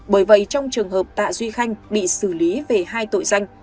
bởi vậy trong trường hợp tạ duy khanh bị xử lý về hai tội danh